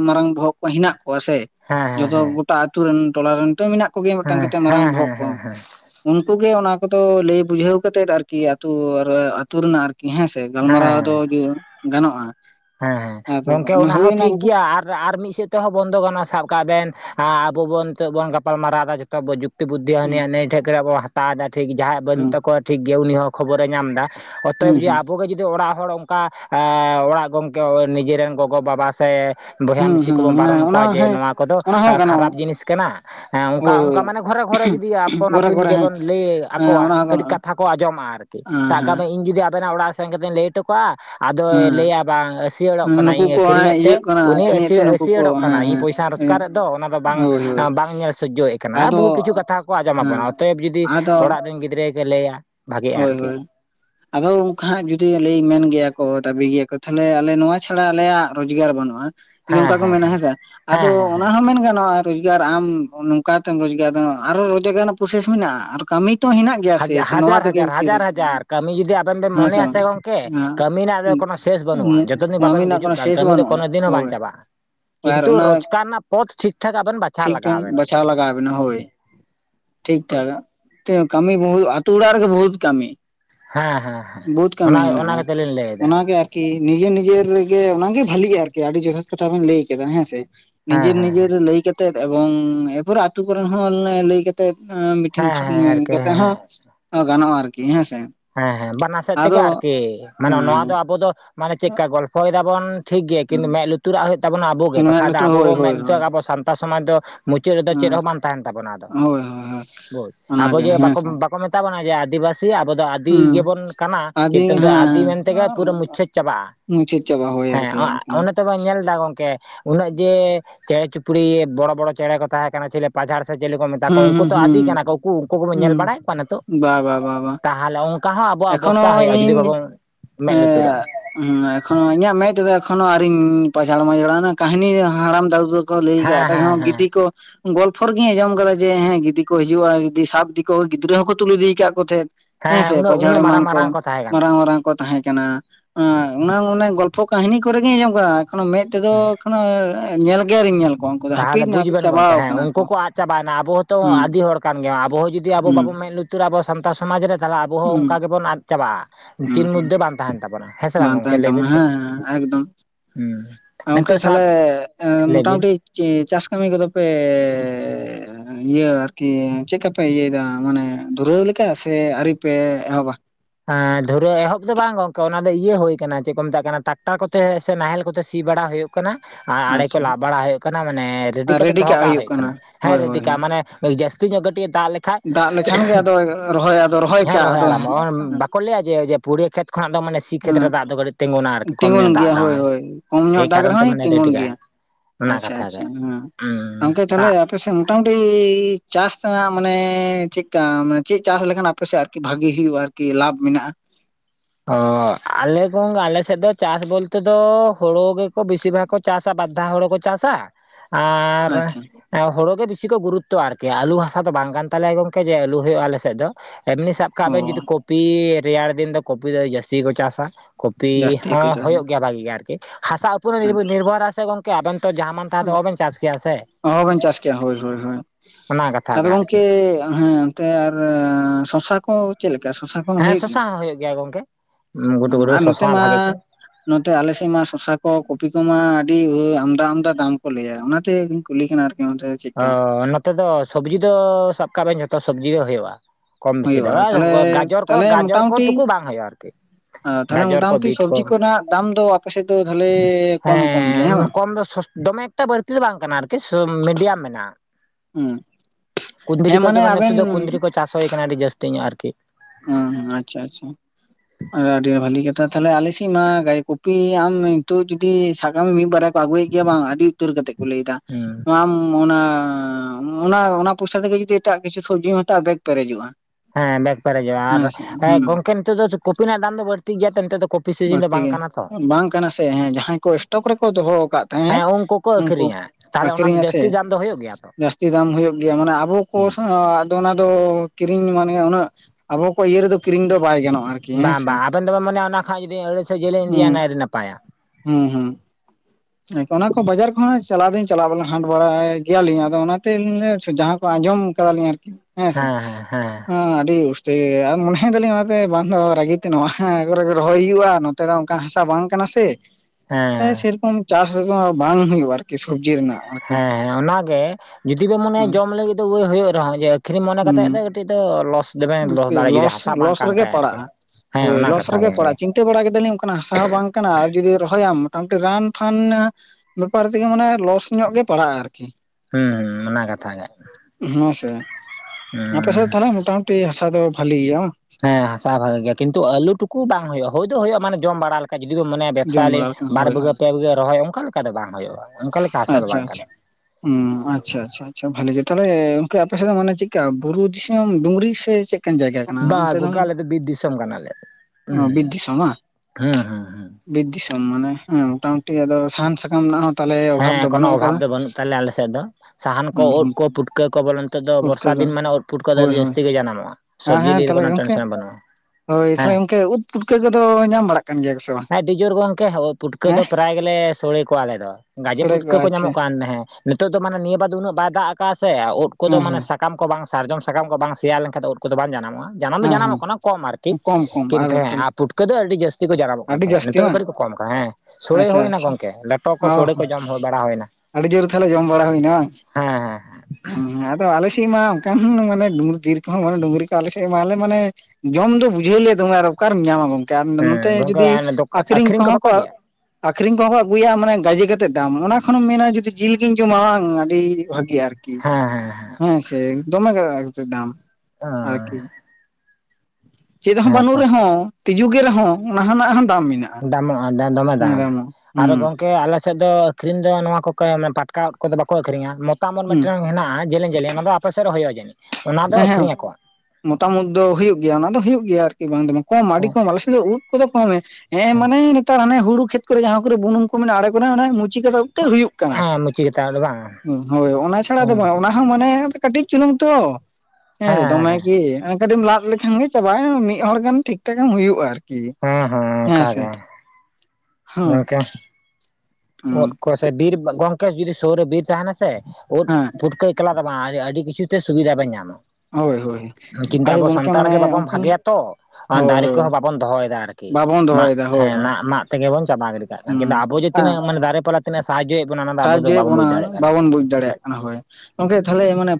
ᱢᱟᱨᱟᱝ ᱵᱚᱦᱜᱽ ᱠᱚ ᱦᱮᱱᱟᱜ ᱠᱚᱣᱟ ᱥᱮ, ᱦᱮᱸ ᱦᱮᱸ ᱡᱚᱛᱚ ᱦᱮᱸ ᱜᱚᱴᱟ ᱟ ᱟᱹᱛᱩ ᱨᱮᱱ, ᱴᱚᱞᱟ ᱨᱮᱱ ᱛᱚ ᱢᱮᱱᱟᱜ ᱠᱚᱣᱟ᱾ ᱠᱚᱜᱮ ᱢᱮᱜᱴᱟᱝ ᱦᱮᱸ ᱠᱟᱛᱮᱫ ᱢᱟᱨᱟᱝ ᱦᱮᱸ ᱦᱮᱸ ᱦᱮᱸ ᱵᱚᱦᱚᱜ ᱠᱚ᱾ ᱦᱮᱸ ᱦᱮᱸ ᱦᱮᱸ ᱩᱱᱠᱩᱜ ᱜᱮ ᱚᱱᱟ ᱠᱚᱫᱚ ᱞᱟᱹᱭ ᱵᱩᱡᱷᱟᱹᱣ ᱠᱟᱛᱮᱜ ᱟᱨᱠᱤ, ᱟᱹᱛᱩ ᱟᱹᱛᱩ ᱨᱮᱱᱟᱜ ᱟᱨᱠᱤ ᱦᱮᱸᱥᱮ᱾ ᱦᱮᱸ ᱜᱟᱞᱢᱟᱨᱟᱣ ᱦᱮᱸ ᱫᱚ ᱡᱚᱱ ᱜᱟᱱᱚᱜᱼᱟ᱾ ᱦᱮᱸ, ᱦᱮᱸ, ᱟᱫᱚ ᱜᱚᱝᱠᱮ ᱚᱱᱟ ᱦᱚᱸ ᱦᱩᱭᱱᱟ ᱴᱷᱤᱠ ᱠᱚᱜᱮ ᱜᱮᱭᱟ᱾ ᱟᱨ ᱟᱨ ᱢᱤᱫ ᱥᱮᱫ ᱛᱮᱦᱚᱸ ᱵᱚᱱᱫᱚ ᱜᱟᱱᱚᱜᱼᱟ, ᱥᱟᱵ ᱠᱟᱜ ᱵᱮᱱ ᱟᱵᱚ ᱵᱚᱱ ᱱᱤᱛᱚᱜ ᱵᱚᱱ ᱜᱟᱯᱟᱞᱢᱟᱣ ᱫᱟ᱾ ᱡᱚᱛ ᱡᱚᱛᱚ ᱡᱩᱠᱛᱤ ᱵᱩᱫᱽᱫᱷᱤ, ᱦᱟᱱᱤ ᱦᱩᱸ ᱱᱤᱭ ᱴᱷᱮᱡ ᱠᱷ ᱠᱷᱚᱱᱱᱟᱜ ᱵᱚᱱ ᱦᱟᱟᱣ ᱫᱟ, ᱴᱷᱤᱠ ᱡᱟᱦᱟᱸᱭᱟᱜ ᱵᱟᱹᱱᱩᱜ ᱦᱩᱸ ᱛᱟᱠᱚᱣᱟ᱾ ᱴᱷᱤᱠ ᱜᱮᱭᱟ, ᱩᱱᱤ ᱦᱚᱸᱚᱸ ᱠᱷᱚᱵᱚᱨᱮ ᱧᱟᱢ ᱾ᱫᱟ ᱚᱛᱚᱭᱮᱵ ᱦᱩᱸ ᱡᱮ ᱦᱩᱸ ᱟᱵᱚᱜᱮ ᱡᱩᱫᱤ ᱚᱲᱟᱜ ᱦᱚᱲ ᱚᱱᱠᱟ ᱚᱲᱟᱜ ᱜᱚᱢᱠᱮ ᱱᱤᱡᱮᱨᱮᱱ ᱜᱚᱜᱚ ᱵᱟᱵᱟ ᱥᱮ ᱵᱚᱭᱦᱟ ᱦᱩᱸ ᱢᱤᱥᱤ ᱦᱩᱸ ᱠᱚᱵᱚᱱ ᱦᱮᱸ ᱵᱟᱨᱚᱱ ᱚᱱᱟ ᱠᱚᱣᱟ ᱡᱮ, ᱦᱮᱸ ᱱᱚᱣᱟ ᱠᱚᱫᱚ ᱚᱱᱟ ᱦᱚᱸ ᱜᱟᱱᱚᱜᱼᱟ ᱠᱷᱟᱨᱟᱯ ᱡᱤᱱᱤᱥ ᱠᱟᱱᱟ, ᱦᱳᱭ ᱚᱝᱠᱟ ᱦᱳᱭ ᱚᱝᱠᱟ ᱢᱟᱱᱮ ᱜᱷᱚᱨᱮ ᱜᱷᱚᱨᱮ ᱡᱩᱫᱤ ᱟᱯᱚᱱ ᱜᱚᱨᱮ ᱟᱹᱯᱤᱱ ᱜᱚᱨᱮ ᱦᱮᱸ ᱜᱮᱵᱚᱱ ᱞᱟᱹᱭ ᱦᱮᱸ ᱚᱱᱟ ᱟᱠᱚᱣᱟ, ᱦᱚᱸ ᱠᱟᱹᱴᱤᱡ ᱜᱟᱱᱚᱜᱼᱟ ᱠᱟᱛᱷᱟ ᱠᱚ ᱟᱸᱡᱚᱢᱟ ᱟᱨᱠᱤ᱾ ᱦᱮᱸ ᱥᱟᱵ ᱠᱟᱜ ᱢᱮ, ᱤᱧ ᱡᱩᱫᱤ ᱟᱵᱮᱱᱟᱜ ᱚᱲᱟᱜ ᱥᱮᱱ ᱠᱟᱛᱮ ᱤᱧ ᱞᱟᱹᱭ ᱴᱚ ᱠᱟᱜᱼᱟ, ᱟᱫᱚᱭ ᱦᱮᱸ ᱞᱟᱹᱭᱟ ᱵᱟᱝ ᱟᱹᱥᱤᱭᱟᱹᱟᱹᱲᱚᱜ ᱦᱮᱸ ᱠᱟᱱᱟᱭ, ᱱᱩᱠᱩ ᱤᱧ ᱠᱚ ᱦᱮᱸ ᱟᱹᱠᱷᱨᱤᱧᱮᱫ ᱛᱮ ᱤᱭᱟᱹᱜ ᱠᱟᱱᱟ ᱩᱱᱤ ᱟᱠᱷᱨᱤᱧᱮᱫ ᱛᱮ ᱱᱩᱠᱩ ᱠᱚ ᱟᱹᱥᱭᱟᱹᱲᱚᱜ ᱦᱮᱸ ᱠᱟᱱᱟ, ᱤᱧ ᱦᱮᱸ ᱯᱚᱭᱥᱟ ᱦᱮᱸ ᱨᱳᱡᱽᱜᱟᱨᱮᱫ ᱫᱚ ᱚᱱᱟ ᱫᱚ ᱵᱟᱝ ᱦᱳᱭ ᱦᱳᱭ ᱵᱟᱝ ᱧᱮᱞ ᱥᱚᱚᱡᱡᱚᱭ ᱠᱟᱱᱟ, ᱟᱫᱚ ᱵᱚᱦᱩ ᱠᱤᱪᱷᱩ ᱠᱟᱛᱷᱟ ᱦᱚᱸᱠᱚ, ᱦᱮᱸ ᱟᱸᱡᱚᱢᱟᱵᱚᱱᱟ ᱚᱛᱚᱭᱮᱵ ᱡᱩᱫᱤ ᱟᱫᱚ ᱚᱲᱟᱜ ᱨᱮᱱ ᱜᱤᱫᱽᱨᱟᱹ᱾ ᱜᱮᱞᱮᱭᱟ, ᱦᱳᱭ, ᱦᱳᱭ᱾ ᱟᱫᱚ ᱩᱱᱠᱟ ᱦᱟᱸᱜ ᱡᱩᱫᱤ ᱞᱟᱹᱭ ᱢᱮᱱ ᱜᱮᱭᱟ ᱠᱚ, ᱫᱟᱹᱵᱤ ᱜᱮᱭᱟ ᱠᱚ ᱛᱟᱦᱚᱞᱮ, ᱟᱞᱮ ᱱᱚᱣᱟ ᱪᱷᱟᱲᱟ ᱟᱞᱮᱭᱟᱜ ᱨᱚᱡᱽᱜᱟᱨ ᱵᱟᱹᱱᱩᱜᱼᱟ᱾ ᱡᱩᱫᱤ ᱦᱮᱸ ᱚᱱᱠᱟ ᱠᱚ ᱦᱮᱸ ᱢᱮᱱᱟ ᱦᱮᱸ ᱦᱮᱸᱥᱮ, ᱟᱫᱚ ᱦᱮᱸ ᱚᱱᱟ ᱦᱮᱸ ᱦᱚᱸ ᱢᱮᱱ ᱜᱟᱱᱚᱜᱼᱟ᱾ ᱨᱚᱡᱽᱜᱟᱨ ᱟᱢ ᱱᱚᱝᱠᱟᱛᱮᱢ ᱨᱚᱡᱽᱜᱟᱨ ᱫᱟ, ᱟᱨᱚ ᱨᱚᱡᱽᱜᱟᱨ ᱨᱮᱱᱟᱜ ᱯᱨᱚᱥᱮᱥ ᱢᱮᱱᱟᱜᱼᱟ, ᱟᱨ ᱠᱟᱹᱢᱤ ᱛᱚ ᱦᱮᱱᱟᱜ ᱜᱮᱭᱟ ᱥᱮ, ᱥᱮ ᱱᱚᱣᱟ ᱛᱮᱜᱮ ᱵᱮᱥᱤ ᱦᱟᱡᱟᱨ-ᱦᱟᱡᱟᱨ ᱠᱟᱹᱢᱤ ᱡᱩᱫᱤ ᱟᱵᱮᱱ ᱵᱮᱱ ᱦᱮᱸ ᱢᱚᱱᱮᱭᱟ ᱵᱟᱝ ᱥᱮ, ᱜᱚᱝᱠᱮ ᱠᱟᱹᱢᱤ ᱨᱮᱱᱟᱜ ᱫᱚ ᱠᱳᱚᱱᱳ ᱥᱮᱥ ᱵᱟᱹᱱᱩᱜᱼᱟ, ᱡ ᱡᱚᱛᱚ ᱫᱤᱱ ᱠᱟᱹᱢᱤ ᱵᱟᱵᱮᱱ ᱨᱮᱱᱟᱜ ᱜᱩᱡᱩᱜ ᱠᱳᱱᱳ ᱠᱟᱱ, ᱥᱮᱥ ᱠᱟᱹᱢᱤ ᱫᱚ ᱵᱟᱹᱱᱩᱜᱼᱟ ᱠᱚᱱᱳ ᱫᱤᱱ ᱦᱚᱸ ᱵᱟᱝ ᱦᱳᱭ ᱪᱟᱵᱟᱜᱼᱟ᱾ ᱟᱨ ᱚᱱᱟ ᱠᱟ ᱨᱮᱱᱟᱜ ᱯᱚᱛ, ᱴᱷᱤᱠ ᱴᱷᱟᱠ ᱟᱵᱮᱱ ᱵᱟ ᱴᱷᱤᱠ ᱴᱷᱟᱠ ᱵᱟᱪᱷᱟᱣ ᱞᱟᱜᱟᱣ ᱟᱵᱤᱱᱟ ᱦᱳᱭ᱾ ᱴᱷᱤᱠ ᱴᱷᱟᱠ ᱛᱮ, ᱠᱟᱹᱢᱤ ᱟᱛᱩ ᱚᱲᱟᱜ ᱨᱮᱜᱮ ᱵᱚᱦᱛ ᱠᱟᱹᱢᱤ᱾ ᱦᱮᱸ ᱦᱮᱸ ᱦᱮᱸ ᱵᱚᱦᱩᱛ ᱠᱟᱹᱢᱤ ᱚᱱᱟ ᱚᱱᱟ ᱦᱮᱱᱟᱜᱼᱟ, ᱜᱮᱛᱚ ᱞᱤᱧ ᱞᱟᱹᱭᱮᱫᱟ ᱚᱱᱟᱜᱮ ᱟᱨᱠᱤ᱾ ᱠᱤ ᱱᱤᱡᱮ ᱱᱤᱡᱮᱨ ᱨᱮᱜᱮ ᱚᱱᱟᱜᱮ, ᱵᱷᱟᱹᱞᱤᱜᱼᱟ ᱟᱨᱠᱤ, ᱟᱹᱰᱤ ᱡᱚᱛᱷᱟᱛ ᱠᱟᱛᱷᱟ ᱵᱮᱱ ᱞᱟᱹᱭ ᱠᱮᱫᱟ, ᱦᱮᱸ ᱥᱮᱸ ᱾ ᱦᱮᱸ ᱦᱮᱸ ᱱᱤᱡᱮᱨ ᱦᱮᱸ ᱱᱤᱡᱮᱨ ᱨᱮ ᱞᱟᱹᱭ ᱠᱟᱛᱮᱫ, ᱮᱵᱚᱝ ᱮᱯᱚᱨᱮ ᱟᱛᱳ ᱠᱚᱨᱮ ᱦᱚᱸ ᱞᱟᱹᱭ ᱛᱮᱫ ᱢᱤᱴᱤᱱ ᱦᱮᱸ ᱵᱷᱟᱴ ᱦᱮᱸ ᱱᱤᱭᱟᱹ ᱟᱨᱠᱤ ᱦᱮᱸ ᱠᱟᱛᱮᱜ ᱦᱚᱸ ᱜᱟᱱᱚᱜᱼᱟ, ᱟᱨᱠᱤ ᱦᱮᱸ ᱥᱮ ᱾ ᱦᱮᱸ, ᱦᱮᱸ, ᱵᱟᱱᱟᱨᱥᱮᱫ ᱛᱮᱜᱮ ᱟᱨᱠᱤ, ᱢᱟᱱᱮ ᱱᱚᱣᱟ ᱦᱮᱸ ᱫᱚ ᱟᱵᱚ ᱫᱚ, ᱢᱟᱱᱮ ᱪᱮᱜ ᱠᱟ ᱜᱚᱞᱯᱷᱚᱭᱫᱟ ᱵᱚᱱ ᱴᱷᱤᱠ ᱜᱮᱭᱟ, ᱠᱤᱱ ᱢᱮᱫ ᱞᱩᱛᱩᱨᱟᱜ ᱦᱳᱭᱳᱜ ᱛᱟᱵᱚᱱᱟ, ᱟᱵᱚᱜᱮ ᱦᱮᱸ ᱢᱮᱫ ᱵᱟᱠᱷᱟᱡ ᱫᱚ ᱞᱩᱛᱩᱨ ᱟᱵᱚ ᱦᱳᱭ ᱦᱚᱸ ᱦᱳᱭ ᱢᱮᱱ ᱛᱮ ᱦᱳᱭ ᱟᱵᱚ ᱥᱟᱱᱛᱟᱲ ᱥᱚᱢᱟᱡᱽ ᱫᱚ ᱢᱩᱪᱟᱹᱫ ᱨᱮᱫᱚ ᱪᱮᱫ ᱦᱮᱸ ᱦᱚᱸ ᱵᱟᱝ ᱛᱟᱦᱮᱱ ᱛᱟᱵᱚᱱᱟ ᱟᱫᱚ ᱦᱳᱭ ᱦᱳᱭ ᱦᱳᱭ ᱵᱩᱡᱽ, ᱟᱵᱚ ᱚᱱᱟᱜᱮ ᱡᱮ ᱵᱟᱠᱚ ᱦᱮᱸᱥᱮ ᱵᱟ ᱠᱚ ᱢᱮᱛᱟ ᱵᱚᱱᱟ ᱡᱮ, ᱟᱹᱫᱤᱵᱟᱹᱥᱤ ᱟᱵᱚ ᱫᱚ ᱟᱫ ᱫᱤ ᱦᱮᱸ ᱜᱮᱵᱚᱱ ᱠᱟᱱᱟ, ᱟᱫᱤ ᱠᱤᱱᱛᱩ ᱟᱫᱤ ᱦᱮᱸ ᱢᱮᱱᱛᱮᱜᱮ ᱯᱩᱨᱟᱹ ᱢᱩᱪᱟᱹᱫ ᱪᱟᱵᱟᱜᱼᱟ ᱾ ᱢᱩᱪᱟᱹᱫ ᱪᱟᱵᱟ ᱦᱳᱭ ᱟᱨᱠᱤ ᱚᱱᱮ ᱛᱚᱵᱮᱱ ᱧᱮᱞ ᱫᱟ ᱜᱚᱝᱠᱮ, ᱩᱱᱟᱹᱜ ᱡᱮ ᱪᱮᱬᱮ ᱪᱩᱯᱲᱤ ᱵᱚᱲᱚ ᱵᱚᱲᱚ ᱪᱮᱬᱮ ᱠᱚ ᱛᱟᱦᱮᱸ ᱠᱟᱱᱟ, ᱪᱮᱞᱮ ᱯᱟᱡᱷᱟᱲ ᱥᱮ ᱪᱮᱸᱞᱮᱸ ᱠᱚ ᱢᱮᱛᱟ ᱠᱚᱣᱟ, ᱩᱝᱠᱩ ᱛᱚ ᱟᱫᱤ ᱠᱟᱱᱟ ᱠᱚ, ᱩᱠᱩ ᱩᱠᱩ ᱠᱚᱵᱚ‌ ᱧᱮᱞ ᱵᱟᱲᱟᱭᱮᱫ ᱠᱚᱣᱟ ᱱᱮᱛᱚᱜ? ᱵᱟ, ᱵᱟ ᱮᱠᱷᱚᱱᱳ ᱚᱵᱚᱥᱛᱟ ᱦᱩᱭᱩᱜᱼᱟ ᱡᱩᱫᱤ ᱤᱧ ᱵᱟᱵᱚᱱ ᱢᱮᱸᱫ ᱞᱩᱛᱩᱨᱟᱜᱼᱟ ᱦᱮᱸ ᱮᱠᱷᱚᱱᱚ ᱤᱧᱟᱹᱜ ᱢᱮᱫ ᱛᱮᱫᱚ, ᱮᱠᱷᱚᱱᱚ ᱟᱨᱤᱧ ᱯᱟᱡᱷᱟᱲ ᱢᱟᱡᱷᱟᱲᱟ, ᱚᱱᱟ ᱠᱟᱹᱦᱱᱤ ᱦᱟᱲᱟᱢ ᱫᱟᱫᱩ ᱠᱚ ᱞᱟᱹᱭ ᱠᱟᱜ-ᱟ, ᱦᱮᱸ ᱟᱯᱮ ᱦᱮᱸ ᱦᱚᱸ ᱦᱮᱸ ᱜᱤᱫᱤ ᱠᱚ ᱜᱚᱞᱯᱷᱚ ᱨᱮᱜᱤᱧ ᱟᱸᱚᱢ ᱠᱟᱫᱟ, ᱡᱮ ᱡᱮ ᱦᱮᱸ ᱜᱤᱫᱤ ᱠᱚ ᱦᱤᱡᱩᱜᱼᱟ ᱜᱤᱫᱤ ᱥᱟᱵ ᱤᱫᱤ ᱠᱚ ᱜᱤᱫᱽᱨᱟᱹ ᱦᱚᱸᱠᱚ ᱛᱩᱞ ᱤᱫᱤ ᱠᱟᱫ ᱠᱚ ᱛᱟᱦᱮᱸᱫ ᱦᱮᱸ ᱥᱮ ᱩᱱᱟᱹᱜ ᱯᱟᱡᱷᱟᱲ ᱩᱱᱟᱹᱜ ᱢᱟᱨᱟᱝ ᱮᱢᱟᱱ ᱠᱚ ᱢᱟᱨᱟᱝ ᱛᱟᱦᱮᱸ ᱠᱟᱱᱟ ᱢᱟᱨᱟᱝ ᱢᱟᱨᱟᱝ ᱠᱚ ᱛᱟᱦᱮᱸ ᱠᱟᱱᱟ ᱚᱱᱟ ᱚᱱᱮ ᱜᱚᱞᱯᱷᱚ ᱠᱟᱹᱦᱤᱱᱤ ᱠᱚᱨᱮᱜᱤᱧ ᱟᱸᱡᱚᱢ ᱠᱟᱜᱟ ᱮᱠᱷᱚᱱᱳ ᱢᱮᱫ ᱛᱮᱫᱚ ᱠᱷᱚᱱ ᱚ ᱧᱮᱞ ᱜᱮ ᱟᱹᱨᱤᱧ ᱧᱮᱞ ᱠᱚᱣᱟ ᱩᱱᱠᱩ ᱫᱚ ᱛᱟᱦᱚᱞᱮ ᱦᱟᱹᱯᱤᱫᱱᱟ ᱵᱩᱡ ᱱᱟᱹᱯᱤᱫ ᱵᱮᱱ ᱜᱚᱝᱠᱮ ᱪᱟᱵᱟᱶ ᱦᱮᱸ ᱠᱟᱱᱟ ᱠᱚ ᱩᱱᱠᱩ ᱾ ᱟᱫ ᱪᱟᱵᱟᱭᱮᱱᱟ ᱟᱵᱚ ᱦᱚᱸᱛᱚ ᱟᱫᱤ ᱦᱚᱲ ᱠᱟᱱ ᱜᱮᱭᱟ ᱟᱵᱚ ᱦᱚᱸ ᱡᱩᱫᱤ ᱟᱵᱚ ᱵᱟᱵᱚ ᱦᱩᱸ ᱢᱮᱫ ᱞᱩᱛᱩᱨᱟ ᱟᱵᱚᱶᱟᱜ ᱥᱟᱱᱛᱟᱲ ᱥᱚᱢᱟᱡ ᱨᱮ ᱛᱟᱦᱚᱞᱮ ᱟᱵᱚ ᱦᱚᱸ ᱚᱱᱠᱟ ᱦᱩᱸ ᱜᱮ ᱵᱚᱱ ᱟᱫ ᱪᱟᱵᱟᱜ-ᱟ, ᱦᱩᱸ ᱪᱤᱱ ᱦᱩᱸ ᱢᱩᱫᱽᱫᱟᱹ ᱵᱟᱝ ᱛᱟᱦᱮᱱ ᱛᱟᱵᱚᱱᱟ, ᱦᱮᱸ ᱥᱮ ᱵᱟᱝ ᱜᱚᱝᱠᱮ ᱛᱟᱦᱮᱱ ᱛᱟᱵᱚᱱᱟ ᱞᱟᱹᱭᱵᱤᱱ ᱥᱮ? ᱦᱮᱸ ᱮᱠᱫᱚᱢ, ᱦᱩᱸ ᱜᱚᱝᱠᱮ ᱱᱤᱛᱚᱜ ᱥᱟᱵ ᱛᱟᱦᱚᱞᱮ ᱞᱟᱹᱭ ᱵᱤᱱ ᱢᱚᱴᱟᱢᱩᱴᱤ ᱪᱮ ᱪᱟᱥ ᱠᱟᱹᱢᱤ ᱠᱚᱫᱚ ᱯᱮᱻ ᱤᱭᱟᱹ ᱟᱨᱠᱤ ᱪᱮᱜ ᱠᱟ ᱯᱮ ᱤᱭᱟᱹᱭᱮᱫᱟ ᱢᱟᱱᱮ ᱫᱷᱩᱨᱟᱹᱣ ᱞᱮᱠᱟ ᱥᱮ ᱟᱹᱣᱨᱤᱯᱮ ᱮᱦᱚᱵᱟ? ᱮᱸ ᱫᱷᱩᱨᱟᱹᱣ ᱮᱦᱚᱵ ᱫᱚ ᱵᱟᱝ ᱜᱚᱝᱠᱮ ᱚᱱᱟ ᱫᱚ ᱤᱭᱟᱹ ᱦᱩᱭ ᱠᱟᱱᱟ ᱪᱮᱜ ᱠᱚ ᱢᱮᱛᱟᱜ ᱠᱟᱱᱟ ᱴᱟᱠᱴᱟᱨ ᱠᱚᱛᱮ ᱥᱮ ᱱᱟᱦᱮᱞ ᱠᱚᱛᱮ ᱥᱤ ᱵᱟᱲᱟ ᱦᱩᱭᱩᱜ ᱠᱟᱱᱟ ᱟᱨ ᱟᱲᱮ ᱠᱚ ᱟᱪᱪᱷᱟ ᱞᱟᱜ ᱵᱟᱲᱟ ᱦᱩᱭᱩᱜ ᱠᱟᱱᱟ, ᱢᱟᱱᱮ ᱨᱮᱰᱤ ᱠᱟᱛᱮ ᱫᱚᱦᱚ ᱠᱟᱜ ᱦᱩᱭᱩᱜ ᱠᱟᱱᱟ, ᱦᱮᱸ ᱨᱮᱰᱤ ᱠᱟᱜ ᱢᱟᱱᱮ ᱳᱭ ᱡᱟᱹᱥᱛᱤ ᱧᱚᱜ ᱠᱟᱹᱴᱤᱡ ᱮ ᱫᱟᱜ ᱞᱮᱠᱷᱟ ᱫᱟᱜ ᱞᱮᱠᱷᱟᱱ ᱜᱮ ᱟᱫᱚ ᱨᱚᱦᱚᱭ ᱟᱫᱚ ᱦᱮᱸ ᱠᱟᱜ ᱨᱚᱦᱚᱭ ᱟᱫᱚ ᱟᱨᱟᱢᱵᱚ ᱦᱮᱸ ᱵᱟᱠᱚ ᱞᱟᱹᱭᱟ ᱡᱮ, ᱡᱮ ᱯᱩᱲᱤᱭᱟᱹ ᱠᱷᱮᱛ ᱠᱷᱚᱱᱟᱜ ᱫᱚ ᱢᱟᱱᱮ ᱥᱤ ᱠᱷᱮᱛᱨᱮ ᱫᱟᱜ ᱫᱚ ᱠᱟᱹᱴᱤᱡ ᱛᱤᱸᱜᱩᱱᱟ ᱟᱨᱠᱤ ᱠᱚᱢ ᱛᱤᱸᱜᱩᱱ ᱧᱚᱜ ᱫᱟᱜ ᱜᱮᱭᱟ ᱦᱳᱭ ᱨᱮᱦᱚᱸᱭ ᱦᱳᱭ ᱠᱚᱢ ᱮᱭ ᱧᱚᱜ ᱫᱟᱜ ᱠᱟᱨᱚᱱ ᱛᱮ ᱨᱮᱦᱚᱸᱭ ᱢᱟᱱᱮ ᱨᱮᱰᱤ ᱛᱤᱸᱜᱩᱱ ᱠᱟᱜᱟᱭ ᱜᱮᱭᱟ ᱾ ᱚᱱᱟ ᱟᱪᱪᱷᱟ ᱠᱟᱛᱷᱟ ᱜᱮ [unintelligible] ᱟᱯᱮᱥᱮᱜ ᱢᱚᱴᱟᱢᱩᱴᱤ ᱪᱟᱥ ᱨᱮᱱᱟᱜ ᱢᱟᱱᱮ ᱪᱮᱜᱠᱟ ᱢᱟᱱᱮ ᱪᱮᱜ ᱪᱟᱥ ᱞᱮᱠᱷᱟᱱ ᱟᱯᱮ ᱥᱮᱫ ᱟᱨᱠᱤ ᱵᱷᱟᱜᱤ ᱦᱩᱭᱩᱜ-ᱟ, ᱟᱨ ᱠᱮᱞᱟᱵᱷ ᱢᱮᱱᱟᱜ-ᱟ ᱾ ᱚ ᱟᱞᱮ ᱜᱚᱝ ᱟᱞᱮ ᱥᱮᱫ ᱫᱚ ᱪᱟᱥ ᱵᱚᱞᱛᱮ ᱫᱚ ᱦᱳᱲᱳ ᱜᱮᱠᱚ ᱵᱮᱥᱤ ᱵᱷᱟᱜ ᱠᱚ ᱪᱟᱥᱼᱟ ᱵᱟᱨ ᱫᱷᱟᱣ ᱦᱳᱲᱳ ᱠᱚ ᱪᱟᱥᱼᱟ ᱟᱨ ᱟᱪᱪᱷᱟ ᱦᱮᱸ ᱦᱳᱲᱳ ᱜᱮ ᱵᱤᱥᱤ ᱠᱚ ᱜᱩᱨᱩᱛᱚᱼᱟ ᱟᱨᱠᱤ ᱟᱞᱩ ᱦᱟᱥᱟ ᱫᱚ ᱵᱟᱝ ᱠᱟᱱ ᱛᱟᱞᱮᱭᱟ ᱜᱚᱝᱠᱮ ᱡᱮ ᱟᱞᱩ ᱦᱩᱭᱩᱜ ᱟᱞᱮ ᱥᱮᱫ ᱫᱚ ᱾ ᱮᱢᱱᱤ ᱥᱟᱵ ᱠᱟᱜ ᱵᱮᱱ ᱡᱩᱫᱤ ᱚ ᱠᱚᱯᱤ ᱨᱮᱭᱟᱲ ᱫᱤᱱ ᱫᱚ ᱠᱚᱯᱤ ᱫᱚ ᱡᱟᱹᱥᱛᱤ ᱜᱮᱠᱚ ᱪᱟᱥ ᱟ ᱾ ᱠᱚᱯᱤ ᱡᱟᱹᱥᱛᱤ ᱜᱮᱠᱚ ᱦᱚᱸ ᱪᱟᱥᱟ ᱦᱩᱭᱩᱜ ᱜᱮᱭᱟ ᱵᱷᱟᱜᱤ ᱜᱮ ᱟᱨᱠᱤ ᱦᱟᱥᱟ ᱩᱯᱚᱨ ᱮ ᱱᱤᱨᱵᱷᱚᱨ ᱟᱪᱪᱷᱟ ᱱᱤᱨᱵᱷᱚᱨ ᱟᱭ ᱥᱮ ᱜᱚᱝᱠᱮ ᱟᱵᱮᱱ ᱛᱚ ᱡᱟᱦᱟᱸᱢᱟᱱ ᱛᱟᱦᱟ ᱫᱚ ᱚᱦᱚᱵᱮᱱ ᱪᱟᱥ ᱠᱮᱭᱟ ᱥᱮ ᱾ ᱚᱦᱚᱵᱮᱱ ᱪᱟᱥ ᱠᱮᱭᱟ ᱦᱳᱭ ᱦᱳᱭ ᱦᱳᱭ ᱚᱱᱟ ᱠᱟᱛᱷᱟ ᱟᱫᱚ ᱜᱮ ᱜᱚᱝᱠᱮ ᱟᱨᱠᱤ ᱦᱮᱸ ᱛᱮ ᱟᱨ ᱥᱚᱥᱟ ᱠᱚ ᱪᱮᱜ ᱞᱮᱠᱟ ᱥᱚᱥᱟ ᱠᱚ? ᱦᱮᱸ ᱥᱚᱥᱟ ᱦᱚᱸ ᱦᱳᱭᱳᱜ ᱜᱮᱭᱟ ᱜᱚᱝᱠᱮ ᱜᱷᱩᱴᱩ ᱦᱩᱸ ᱠᱚᱨᱮ ᱟᱨ ᱱᱚᱛᱮ ᱥᱚᱥᱟ ᱢᱟ ᱵᱷᱟᱜᱤ ᱠᱚ ᱱᱚᱛᱮ ᱟᱞᱮᱥᱮᱜ ᱢᱟ ᱥᱚᱥᱟ ᱠᱚ ᱠᱚᱯᱤ ᱠᱚᱢᱟ ᱟᱹᱰᱤ ᱟᱢᱫᱟ ᱟᱢᱫᱟ ᱫᱟᱢ ᱠᱚ ᱞᱟᱹᱭᱟ ᱚᱱᱟᱛᱮᱧ ᱠᱩᱞᱤ ᱠᱟᱱᱟ ᱟᱨᱠᱤ ᱚᱱᱛᱮ ᱚ ᱪᱮᱫᱠᱟ ᱱᱚᱛᱮ ᱫᱚ ᱥᱚᱵᱡᱤ ᱫᱚ ᱥᱟᱵ ᱠᱟᱜ ᱵᱮᱱ ᱡᱷᱚᱛᱚ ᱥᱚᱵᱡᱤ ᱜᱮ ᱦᱳᱭᱳᱜ-ᱟ ᱾ ᱠᱚᱢ ᱵᱤᱥᱤ ᱫᱚ ᱦᱩᱭᱩᱜᱼᱟ ᱛᱟᱦᱞᱮ [unintelligible] ᱜᱟᱡᱚᱨ ᱠᱚ ᱛᱟᱦᱞᱮ ᱜᱟᱡᱚᱨ ᱠᱚ ᱴᱩᱠᱩ ᱵᱟᱝ ᱦᱩᱭᱩᱜ-ᱟ ᱟᱨᱠᱤ ᱾ ᱛᱟᱞᱦᱮ ᱢᱚᱴᱟᱢᱩᱴᱤ ᱥᱚᱵᱡᱤ ᱠᱚᱨᱮᱱᱟᱜ ᱫᱟᱢ ᱫᱚ ᱟᱯᱮ ᱥᱮᱫ ᱫᱚ ᱛᱟᱦᱚᱞᱮ ᱠᱚᱢ ᱠᱚᱢ ᱜᱮᱭᱟ ᱦᱮᱸ ᱵᱟᱝ? ᱠᱚᱢ ᱫᱚ ᱫᱚᱢᱮ ᱮᱠᱴᱟ ᱵᱟᱹᱲᱛᱤ ᱫᱚ ᱵᱟᱝ ᱠᱟᱱᱟ ᱟᱨᱠᱤ ᱢᱤᱰᱤᱭᱟᱢ ᱢᱮᱱᱟᱜ-ᱟ ᱦᱮᱸ ᱾ ᱠᱩᱱᱫᱽᱨᱤ ᱦᱮᱸ ᱠᱚ ᱢᱟᱱᱮ ᱡᱮᱢᱚᱱ ᱟᱵᱮᱱ ᱱᱤᱛᱳᱜ ᱫᱚ ᱠᱩᱱᱫᱽᱨᱤ ᱠᱚ ᱪᱟᱥ ᱦᱩᱭ ᱠᱟᱱᱟ ᱟᱹᱰᱤ ᱡᱟᱹᱥᱛᱤ ᱧᱚᱜ ᱟᱨᱠᱤ ᱾ ᱦᱟᱸ ᱟᱪᱪᱷᱟ ᱟᱪᱪᱷᱟ ᱾ ᱟᱨ ᱟᱹᱰᱤ ᱵᱷᱟᱹᱞᱤ‌ ᱠᱟᱛᱷᱟ ᱛᱟᱦᱚᱞᱮ ᱟᱞᱮᱥᱤᱜ ᱢᱟ ᱜᱟᱭ ᱠᱚᱯᱤ ᱟᱢ ᱛᱚ ᱡᱩᱫᱤ ᱥᱟᱠᱟᱢ ᱢᱤᱫ ᱵᱟᱨ ᱟᱹᱜᱩᱭᱮᱜ ᱜᱮᱭᱟ ᱵᱟᱝ ᱟᱹᱰᱤ ᱩᱛᱟᱹᱨ ᱠᱟᱛᱮ ᱠᱚ ᱞᱟᱹᱭ ᱫᱟ ᱦᱩᱸ ᱱᱚᱣᱟ ᱚᱱᱟ ᱚᱱᱟ ᱚᱱᱟ ᱯᱚᱭᱥᱟ ᱛᱮᱜᱮ ᱡᱩᱫᱤ ᱮᱴᱟᱜ ᱠᱤᱪᱷᱩ ᱥᱚᱵᱡᱤᱢ ᱦᱟᱛᱟᱣᱟ ᱵᱮᱜ ᱯᱮᱨᱮᱡᱚᱜ-ᱟ᱾ ᱦᱮᱸ ᱵᱮᱜ ᱯᱮᱨᱮᱡᱚᱜ-ᱟ ᱟᱨ ᱜᱚᱝᱠᱮ ᱱᱤᱛᱚᱜ ᱫᱚ ᱠᱚᱯᱤ ᱨᱮᱱᱟᱜ ᱫᱟᱢ ᱫᱚ ᱵᱟᱹᱲᱛᱤ ᱜᱮᱭᱟ ᱛᱚ ᱱᱤᱛᱚᱜ ᱫᱚ ᱥᱤᱡᱤᱱ ᱫᱚ ᱵᱟᱹᱲᱛᱤ ᱵᱟᱝ ᱜᱮ ᱠᱟᱱᱟ ᱛᱚ ᱵᱟᱝ ᱠᱟᱱᱟ ᱥᱮᱸ ᱡᱟᱦᱟᱸᱭ ᱠᱚ ᱮᱥᱴᱚᱠ ᱨᱮᱠᱚ ᱫᱚᱦᱚ ᱠᱟᱫ ᱛᱟᱦᱮᱸᱫ ᱦᱮᱸ ᱠᱚ ᱩᱱᱠᱩ ᱟᱹᱠᱷᱨᱤᱧᱟ ᱛᱟᱦᱚᱞᱮ ᱚᱱᱟ ᱫᱚ ᱟᱠᱷᱨᱤᱧᱟ ᱥᱮ ᱡᱟᱹᱥᱛᱤ ᱫᱟᱢ ᱫᱚ ᱦᱩᱭᱩᱜ ᱜᱮᱭᱟ ᱛᱚ ᱡᱟᱹᱥᱛᱤ ᱫᱟᱢ ᱦᱩᱭᱩᱜ ᱜᱮᱭᱟ ᱢᱟᱱᱮ ᱟᱵᱚ ᱠᱚ ᱥᱟᱶ ᱚᱱᱟ ᱫᱚ ᱠᱤᱨᱤᱧ ᱢᱟᱱᱮ ᱩᱱᱟᱹᱜ ᱟᱵᱚ ᱠᱚ ᱤᱭᱟᱹ ᱨᱮᱫᱚ ᱠᱤᱨᱤᱧ ᱫᱚ ᱵᱟᱭ ᱜᱟᱱᱚᱜ-ᱟ ᱟᱨ ᱵᱟᱝ ᱵᱟᱝ ᱟᱵᱮᱱ ᱫᱚᱵᱮᱱ ᱢᱚᱱᱮᱭᱟ ᱚᱱᱟ ᱠᱷᱟᱡ ᱡᱩᱫᱤ ᱟᱹᱲᱟᱹᱭᱥᱚ ᱡᱤᱞᱤᱧ ᱤᱫᱤᱭᱟ ᱦᱩᱸ ᱚᱱᱟ ᱟᱹᱰᱤ ᱱᱟᱯᱟᱭᱟ᱾ ᱦᱩᱸ ᱦᱩᱸ ᱾ ᱚᱱᱟ ᱠᱚ ᱵᱟᱡᱟᱨ ᱠᱚᱦᱚᱸ ᱪᱟᱞᱟᱣ ᱫᱩᱧ ᱪᱟᱞᱟᱜ ᱦᱟᱴ ᱵᱟᱲᱟᱭ ᱜᱮᱭᱟᱞᱤᱧ ᱟᱫᱚ ᱚᱱᱟᱛᱮᱧ ᱡᱟᱦᱟᱸ ᱟᱸᱡᱚᱢ ᱠᱟᱫᱟᱞᱤᱧ ᱟᱨᱠᱤ ᱦᱮᱸ ᱥᱮ ᱟᱹᱰᱤ ᱩᱥ ᱛᱮ ᱟᱨ ᱢᱚᱱᱮᱭ ᱫᱟᱞᱤᱧ ᱚᱱᱟᱛᱮ ᱵᱟᱝ ᱫᱚ ᱨᱟᱹᱜᱤ ᱛᱮ ᱱᱚᱣᱟ ᱠᱚᱨᱮ ᱜᱮ ᱨᱚᱦᱚᱭ ᱦᱩᱭᱩᱜ-ᱟ ᱱᱚᱛᱮ ᱫᱚ ᱠᱟ ᱦᱟᱥᱟ ᱵᱟᱝ ᱠᱟᱱᱟ ᱥᱮ᱾ ᱦᱮᱸ᱾ ᱥᱮ ᱨᱚᱠᱚᱢ ᱪᱟᱥ ᱜᱚ ᱵᱟᱝ ᱦᱩᱭᱩᱜ ᱟᱨᱠᱤ ᱥᱚᱵᱽᱡᱤ ᱨᱮᱱᱟᱜ᱾ ᱟᱨᱠᱤ ᱦᱮᱸ ᱦᱮᱸ ᱚᱱᱟᱜᱮ ᱡᱩᱫᱤ ᱵᱮᱱ ᱢᱚᱱᱮᱭᱟ ᱡᱚᱢ ᱞᱟᱹᱜᱤᱫ ᱫᱚ ᱩᱣᱟᱹᱭ ᱦᱩᱭᱩᱜ ᱨᱮᱦᱚᱸ ᱡᱮ ᱟᱠᱷᱨᱤᱧ ᱢᱚᱱᱮ ᱠᱟᱛᱮᱫ ᱫᱚ ᱦᱩᱸ ᱠᱟᱹᱴᱤᱡ ᱫᱚ ᱞᱚᱥ ᱫᱚᱵᱮᱱ ᱞᱚᱥ ᱫᱟᱲᱮᱭᱟᱜ-ᱟ ᱡᱩᱫᱤ ᱦᱟᱥᱟ ᱵᱟᱝ ᱞᱚᱥ ᱠᱟᱱ ᱨᱮᱜᱮ ᱠᱷᱟᱡ ᱟᱨᱠᱤ᱾ ᱯᱟᱲᱟᱜᱼᱟ ᱦᱮᱸ ᱦᱳᱭ ᱚᱱᱟ ᱞᱚᱥ ᱠᱟᱛᱷᱟ ᱜᱮ ᱨᱮᱜᱮ ᱟᱨᱠᱤ ᱯᱟᱲᱟᱜ-ᱟ ᱪᱤᱱ ᱛᱟᱹ ᱵᱟᱲᱟ ᱠᱮᱫᱟᱞᱤᱧ ᱚᱱᱠᱟᱱᱟᱜ ᱦᱟᱥᱟ ᱦᱚᱸ ᱵᱟᱝ ᱠᱟᱱᱟ ᱟᱨ ᱡᱩᱫᱤ ᱨᱚᱦᱚᱭᱟᱢ ᱢᱚᱴᱟᱢᱩᱴᱤ ᱨᱟᱱ ᱯᱷᱟᱱ ᱵᱮᱯᱟᱨ ᱛᱮᱜᱮ ᱢᱟᱱᱮ ᱞᱚᱥ ᱧᱚᱜ ᱜᱮ ᱯᱟᱲᱦᱟᱜ-ᱟ ᱟᱨᱠᱤ᱾ ᱦᱩᱸ ᱦᱩᱸ ᱚᱱᱟ ᱠᱟᱛᱷᱟ ᱜᱮ᱾ ᱦᱮᱸ ᱥᱮ ᱦᱩᱸ ᱟᱯᱮ ᱥᱮᱫ ᱛᱷᱟᱞᱮ ᱢᱚᱴᱟᱢᱩᱴᱤ ᱦᱟᱥᱟ ᱫᱚ ᱵᱷᱟᱞᱤ ᱜᱮᱭᱟ ᱵᱟᱝ? ᱦᱮᱸ ᱦᱟᱥᱟ ᱵᱷᱟᱜᱤ ᱜᱮᱭᱟ ᱠᱤᱱᱛᱩ ᱟᱞᱩ ᱴᱩᱠᱩ ᱵᱟᱝ ᱦᱩᱭᱩᱜ-ᱟ ᱦᱩᱭ ᱫᱚ ᱦᱩᱭᱩᱜ-ᱟ ᱢᱟᱱᱮ ᱡᱚᱢ ᱵᱟᱲᱟ ᱞᱮ ᱠᱟ ᱡᱩᱫᱤ ᱵᱚᱱ ᱢᱚᱱᱮᱭᱟ ᱵᱮᱵᱽᱥᱟᱭ ᱡᱚᱢ ᱟᱹᱞᱤᱧ ᱵᱟᱲᱟ ᱞᱮᱠᱟᱱ ᱵᱟᱨ ᱦᱳᱭ ᱦᱳᱭ ᱵᱤᱜᱟᱹ ᱯᱮ ᱵᱤᱜᱟᱹ ᱨᱚᱦᱚᱭ ᱚᱱᱠᱟ ᱞᱮᱠᱟ ᱫᱚ ᱵᱟᱝ ᱦᱩᱭᱩᱜ-ᱟ᱾ ᱟᱪᱪᱷᱟ ᱟᱪᱪᱷᱟ ᱦᱩᱸ ᱟᱪᱪᱷᱟ ᱟᱪᱪᱷᱟ᱾ ᱟᱪᱪᱷᱟ ᱵᱷᱟᱞᱮ ᱜᱮ ᱛᱷᱟᱞᱮ ᱜᱟᱝᱠᱮ ᱟᱯᱮ ᱥᱮᱫ ᱫᱚ ᱢᱟᱱᱮ ᱪᱮᱫᱠᱟ ᱵᱩᱨᱩ ᱫᱤᱥᱚᱢ ᱰᱩᱝᱨᱤ ᱥᱮ ᱪᱮᱫ ᱠᱟᱱ ᱡᱟᱭᱜᱟ ᱠᱟᱱᱟ ᱵᱟ ᱚᱱᱛᱮ ᱫᱚ, ᱜᱚᱝᱠᱮ ᱟᱞᱮ ᱵᱤᱨ ᱫᱤᱥᱚᱢ ᱠᱟᱱᱟᱞᱮ ᱚ ᱦᱩᱸ ᱵᱤᱨ ᱫᱤᱥᱚᱢ ᱢᱟᱝ? ᱦᱩᱸ ᱦᱩᱸ ᱦᱩᱸ ᱵᱤᱨ ᱫᱤᱥᱚᱢ ᱢᱟᱱᱮ ᱦᱮᱸ ᱢᱚᱴᱟᱢᱩᱴᱤ ᱟᱫᱚ ᱥᱟᱦᱟᱱ ᱥᱟᱠᱟᱢ ᱨᱮᱱᱟᱜ ᱦᱚᱸ ᱛᱟᱦᱚᱞᱮ ᱚᱵᱷᱟᱵᱽ ᱦᱮᱸ ᱫᱚ ᱠᱳᱱᱳ ᱵᱟᱹᱱᱩᱜ ᱚᱵᱷᱟᱵ ᱟᱠᱟᱫᱟ ᱫᱚ ᱵᱟᱹᱱᱩᱜ ᱛᱟᱞᱮᱭᱟ ᱟᱞᱮ ᱥᱮᱫ ᱫᱚ ᱥᱟᱦᱟᱱ ᱠᱚ ᱦᱩᱸ ᱩᱫ ᱦᱩᱸ ᱠᱚ ᱯᱩᱴ ᱠᱟᱹ ᱠᱚ ᱵᱚᱞᱮ ᱱᱤᱛᱚᱜ ᱫᱚ ᱯᱩᱴᱠᱟᱹ ᱵᱚᱨᱥᱟ ᱫᱚ ᱫᱤᱱ ᱢᱟᱱᱮ ᱩᱫ ᱯᱩᱴᱠᱟᱹ ᱫᱚ ᱦᱳᱭ ᱟᱹᱰᱤ ᱦᱳᱭ ᱡᱟᱹᱛᱤ ᱜᱮ ᱡᱟᱱᱟᱢᱚᱜ-ᱟ ᱦᱮᱸ ᱥᱚᱵᱽᱡᱤ ᱦᱮᱸ ᱞᱤᱭᱟᱹ ᱫᱚ ᱛᱟᱦᱚᱞᱮ ᱠᱳᱱᱳ ᱜᱚᱝᱠᱮ ᱴᱮᱱᱥᱚᱱ ᱵᱟᱹᱱᱩᱜ-ᱟ᱾ ᱦᱳᱭ ᱛᱷᱟᱞᱮ ᱜᱚᱝᱠᱮ ᱩᱫ ᱯᱩᱴᱠᱟᱹ ᱠᱚᱫᱚ ᱧᱟᱢ ᱵᱟᱲᱟᱜ ᱠᱟᱱ ᱜᱮᱭᱟ ᱠᱚ ᱥᱮ ᱵᱟᱝ? ᱟᱹᱰᱤ ᱡᱳᱨ ᱜᱚᱝᱠᱮ ᱩᱫ ᱯᱩᱴ ᱠᱟᱹ ᱦᱮᱸ ᱫᱚ ᱯᱨᱟᱭ ᱜᱮᱞᱮ ᱥᱳᱲᱮ ᱠᱚᱣᱟ ᱟᱞᱮ ᱫᱚ᱾ ᱜᱟᱡᱮ ᱥᱚᱲᱮ ᱯᱩᱛᱠᱟᱹ ᱠᱚ ᱟᱪᱪᱷᱟ ᱧᱟᱢᱚᱜ ᱠᱟᱱ ᱦᱮᱸ ᱱᱤᱛᱚᱜ ᱫᱚ ᱢᱟᱱᱮ ᱱᱤᱭᱟᱹ ᱵᱟᱨ ᱫᱚ ᱩᱱᱟᱹᱜ ᱵᱟᱭ ᱫᱟᱜ ᱠᱟᱜ-ᱟ ᱥᱮ ᱩᱫ ᱠᱚᱫᱚ ᱦᱮᱸ ᱢᱟᱱᱮ ᱦᱮᱸ ᱥᱟ ᱠᱟᱢ ᱠᱚ ᱵᱟᱝ ᱥᱟᱨᱡᱚᱢ ᱥᱟᱠᱟᱢ ᱠᱚ ᱵᱟᱝ ᱥᱮᱭᱟ ᱞᱮᱱᱠᱷᱟᱡ ᱫᱚ ᱩᱫ ᱠᱚᱫᱚ ᱵᱟᱝ ᱡᱟᱱᱟᱢᱚᱜ-ᱟ᱾ ᱡᱟᱱᱟᱢ ᱫᱚ ᱦᱮᱸ ᱡᱟᱱᱟᱢᱚᱜ ᱦᱮᱸ ᱠᱟᱱᱟ ᱠᱚᱢ ᱟᱨᱠᱤ ᱠᱚᱢ ᱠᱚᱢ ᱠᱤᱱᱛᱩ ᱦᱮᱸ ᱟᱨ ᱯᱩᱴᱠᱟᱹ ᱫᱚ ᱟᱹᱰᱤ ᱡᱟᱹᱥ ᱛᱤ ᱠᱚ ᱡᱟᱱᱟᱢᱚᱚᱜ ᱠᱟᱱ ᱟᱹᱰᱤ ᱛᱟᱦᱮᱸᱜ ᱡᱟᱹᱥᱛᱤ ᱱᱤᱛᱚᱜ ᱫᱚ ᱵᱟᱝ ᱠᱟᱹᱴᱤᱡ ᱠᱚᱢ ᱟᱠᱟᱱᱟ ᱦᱮᱸ ᱥᱳᱲᱮ ᱟᱪᱪᱷᱟ ᱦᱩᱭᱱᱟ ᱟᱪᱪᱷᱟ ᱜᱚᱝᱠᱮ ᱞᱮᱴᱚ ᱠᱚ ᱚ ᱥᱳᱲᱮ ᱠᱚ ᱦᱚᱸ ᱡᱚᱢ ᱵᱟᱲᱟ ᱦᱩᱭᱱᱟ ᱟᱹᱰᱤ ᱡᱳᱨ ᱛᱷᱟᱞᱮ ᱡᱚᱢ ᱵᱟᱲᱟ ᱦᱩᱭᱱᱟ ᱵᱟᱝ? ᱦᱮᱸ ᱦᱮᱸ ᱦᱩᱸ ᱟᱫᱚ ᱟᱞᱮ ᱥᱮᱫ ᱢᱟ ᱚᱱᱠᱟᱱ ᱢᱟᱱᱮ ᱰᱩᱝᱨᱤ ᱵᱤᱨ ᱠᱚᱦᱚᱸ ᱢᱟᱱᱮ ᱰᱩᱝᱨᱤ ᱠᱚ ᱟᱞᱮ ᱥᱮᱫ ᱢᱟᱞᱮ ᱢᱟᱱᱮ ᱡᱚᱢ ᱫᱚ ᱵᱩᱡᱷᱟᱹᱣ ᱞᱮᱭᱟ ᱫᱚᱢᱮ ᱟᱫᱚ ᱚᱠᱟᱨᱮᱢ ᱧᱟᱢᱟ ᱜᱚᱝᱠᱮ [inaudible] ᱛᱮ ᱦᱮᱸ ᱜᱚᱝᱠᱮ ᱡᱩᱫᱤ ᱟᱠᱷᱨᱤᱧ ᱟᱹᱠᱷᱨᱤᱧ ᱠᱚᱦᱚᱸ ᱵᱟᱠᱚ ᱠᱚ ᱤᱫᱤᱭᱟ ᱟᱠᱷᱨᱤᱧ ᱠᱚᱦᱚᱸ ᱠᱚ ᱟᱹᱜᱩᱭᱟ ᱢᱟᱱᱮ ᱜᱟᱡᱮ ᱠᱟᱛᱮᱫ ᱫᱟᱢ ᱚᱱᱟ ᱠᱷᱚᱱᱮᱢ ᱢᱮᱱᱟ ᱡᱩᱫᱤ ᱡᱤᱞᱜᱤᱧ ᱡᱚᱢᱟ ᱵᱟᱝ ᱟᱹᱰᱤ ᱵᱷᱟᱜᱮ-ᱟ ᱟᱨᱠᱤ ᱦᱮᱸ ᱥᱮ ᱫᱚᱢᱮ ᱠᱟᱛᱮᱫ ᱫᱟᱢ ᱚ ᱟᱨᱠᱤ ᱪᱮᱫ ᱦᱚᱸ ᱵᱟᱹᱱᱩᱜ ᱦᱮᱸᱛᱚ ᱨᱮᱦᱚᱸ ᱛᱤᱡᱩᱜ ᱜᱮ ᱨᱮᱦᱚᱸ ᱚᱱᱟ ᱨᱮᱱᱟᱜ ᱦᱚᱸ ᱫᱟᱢ ᱢᱮᱱᱟᱜ᱾ ᱫᱟᱢᱚᱜ-ᱟ ᱫᱟ ᱫᱚᱢᱮ ᱫᱟᱢ ᱟᱨ ᱦᱚᱸ ᱜᱚᱝᱠᱮ ᱟᱞᱮ ᱥᱮᱫ ᱫᱚ ᱟᱹᱠᱷᱨᱤᱧ ᱫᱚ ᱱᱚᱣᱟ ᱠᱚ ᱠᱟ ᱢᱟᱱᱮ ᱯᱟᱴᱠᱟ ᱩᱫ ᱠᱚᱫᱚ ᱵᱟᱠᱚ ᱟᱹᱠᱷᱨᱤᱧᱟ ᱢᱚᱛ ᱛᱟᱢ ᱩᱫ ᱦᱩᱸ ᱢᱤᱫᱴᱮᱱ ᱦᱮᱱᱟᱜ-ᱟ ᱡᱮᱞᱮᱧ ᱡᱮᱞᱮᱧ ᱚᱱᱟ ᱫᱚ ᱟᱯᱮ ᱥᱮᱫ ᱦᱚᱸ ᱦᱳᱭᱳᱜ-ᱟ ᱡᱟᱹᱱᱤᱡ᱾ ᱚᱱᱟ ᱫᱚ ᱦᱮᱸ ᱦᱮᱸ, ᱟᱹᱠᱷᱨᱤᱧ ᱟᱠᱚ ᱢᱚᱛᱟᱢ ᱩᱫ ᱫᱚ ᱦᱩᱭᱩᱜ ᱜᱮᱭᱟ ᱚᱱᱟ ᱫᱚ ᱦᱩᱭᱩᱜ ᱜᱮᱭᱟ ᱟᱨ ᱵᱟᱝ ᱫᱚ ᱵᱟᱝ ᱠᱚᱢᱟ ᱟᱹᱰᱤ ᱠᱚᱢᱟ ᱟᱞᱮ ᱥᱮᱫ ᱫᱚ ᱩᱫ ᱠᱚᱫᱚ ᱠᱚᱢᱮ ᱦᱮᱸ ᱢᱟᱱᱮ ᱛᱟᱨ ᱦᱟᱱᱮ ᱦᱩᱲᱩ ᱠᱷᱮᱛ ᱠᱚᱨᱮ ᱡᱟᱦᱟᱸ ᱠᱚᱨᱮᱜ ᱵᱩᱱᱩᱢ ᱠᱚ ᱢᱮᱱᱟᱜ-ᱟ ᱟᱲᱮ ᱠᱟᱱᱟ ᱚᱱᱟ ᱢᱩᱪᱤ ᱠᱟᱴᱟ ᱩᱫ ᱛᱮᱫ ᱦᱩᱭᱩᱜ ᱠᱟᱱᱟ, ᱦᱮᱸ ᱢᱩᱪᱤ ᱜᱮᱛᱟ ᱫᱚ ᱵᱟᱝ ᱦᱳᱭ ᱚᱱᱟ ᱪᱷᱟᱲᱟ ᱫᱚ ᱦᱮᱸ ᱵᱟᱝᱟ ᱚᱱᱟ ᱦᱚᱸ ᱢᱟᱱᱮ ᱠᱟᱹᱴᱤᱡ ᱪᱩᱱᱩᱝ ᱛᱚ᱾ ᱦᱮᱸ ᱥᱮ ᱫᱚᱢᱮ ᱠᱤ ᱠᱟᱹᱴᱤᱡ ᱮᱢ ᱞᱟᱫ ᱞᱮᱠᱷᱟᱱ ᱜᱮ ᱪᱟᱵᱟᱭᱱᱟ ᱢᱤᱫ ᱦᱚᱲ ᱜᱟᱱ ᱴᱷᱤᱠ ᱴᱷᱟᱠ ᱮᱢ ᱦᱩᱭᱩᱜ-ᱟ ᱟᱨ ᱠᱤ, ᱦᱮᱸ ᱦᱮᱸ ᱚᱱᱠᱟ ᱥᱮ? ᱜᱮ ᱦᱳᱭ ᱜᱚᱝᱠᱮ ᱦᱩᱸ ᱩᱫ ᱠᱚ ᱥᱮ ᱵᱤᱨ ᱜᱚᱝᱠᱮ ᱡᱩᱫᱤ ᱥᱩᱨ ᱨᱮ ᱵᱤᱨ ᱛᱟᱦᱮᱱᱟ ᱥᱮ ᱩᱫ ᱦᱮᱸ ᱯᱩᱴᱠᱟᱹ ᱮᱠᱞᱟ ᱫᱚ ᱵᱟᱝ ᱟᱹᱰᱤ ᱟᱹᱰᱤ ᱠᱤᱪᱷᱩ ᱛᱮ ᱥᱩᱵᱤᱫᱷᱟ ᱵᱮᱱ ᱧᱟᱢᱟ᱾ ᱦᱳᱭ ᱦᱳᱭ ᱠᱤᱱᱛᱚ ᱟᱫᱚ ᱟᱵᱚ ᱜᱚᱝᱠᱮ ᱥᱟᱱᱛᱟᱲ ᱢᱟᱱᱮ ᱜᱮ ᱵᱟᱵᱚᱱ ᱩᱱᱠᱩ ᱵᱷᱟᱜᱮᱭᱟ ᱛᱚ ᱚᱸ ᱦᱳᱭ ᱫᱟᱨᱮ ᱦᱳᱭ ᱠᱚᱦᱚᱸ ᱵᱟᱵᱚᱱ ᱫᱚᱦᱚᱭᱫᱟ ᱟᱨ᱾ ᱠᱤ ᱵᱟᱵᱚᱱ ᱢᱟᱜ ᱫᱚᱦᱚᱭᱮᱫᱟ ᱦᱳᱭ ᱦᱮᱸ ᱦᱳᱭ ᱱᱟᱜ ᱢᱟᱜ᱾ ᱛᱮᱜᱮᱵᱚᱱ ᱪᱟᱵᱟ ᱜᱤᱰᱤ ᱠᱟᱜ ᱠᱟᱱ ᱦᱩᱸ ᱠᱤᱱᱛᱩ ᱟᱵᱚ ᱡᱮ ᱟᱨ ᱛᱤᱱᱟᱹᱜ ᱢᱟᱱᱮ ᱫᱟᱨᱮ ᱯᱟᱞᱟ ᱛᱤᱱᱟᱹᱜ ᱥᱟᱦᱚᱡᱚᱭᱮᱜ ᱵᱚᱱᱟ ᱚᱱᱟ ᱫᱚ ᱟᱵᱚ ᱫᱚ ᱵᱟᱵᱚᱱ ᱵᱩᱡ ᱫᱟᱲᱮᱜ ᱠᱟᱱᱟ᱾ ᱵᱩᱡᱽ ᱫᱟᱲᱮᱭᱟᱜ ᱠᱟᱱᱟ ᱦᱳᱭ᱾ ᱜᱚᱝᱠᱮ ᱛᱷᱟᱞᱮ ᱢᱟᱱᱮ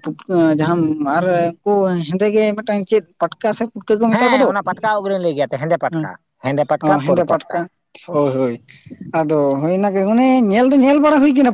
[inaudible] ᱡᱟᱦᱟᱸᱢ ᱟᱨ ᱩᱱᱠᱩ ᱦᱮᱸᱫᱮ ᱜᱮ ᱢᱤᱫᱴᱟᱝ ᱪᱮᱫ? ᱯᱟᱴᱠᱟ ᱥᱮ ᱯᱩᱴᱠᱟᱹ ᱠᱚ ᱢᱮᱛᱟ ᱦᱮᱸ ᱠᱚᱫᱚ ᱚᱱᱟ ᱯᱟᱴᱠᱟ ᱩᱵ ᱨᱤᱧ ᱞᱟᱹᱭ ᱜᱮᱭᱟ ᱛᱚ ᱦᱮᱸᱫᱮ ᱦᱩᱸ ᱯᱟᱴᱠᱟ ᱦᱮᱸᱫᱮ ᱚ ᱯᱟᱴᱠᱟ ᱦᱮᱸᱫᱮ ᱯᱩᱸᱰ ᱯᱟᱴᱠᱟ᱾ ᱦᱳᱭ ᱦᱳᱭ ᱟᱫᱚ ᱦᱳᱭ ᱱᱟᱜᱮ ᱚᱱᱮ ᱧᱮᱞ ᱫᱚ ᱧᱮᱞ ᱵᱟᱲᱟ ᱦᱩᱭ ᱠᱟᱱᱟ᱾